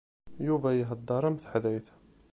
Yuba ihedder am teḥdayt.